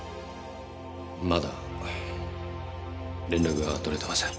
まだ連絡がとれてません。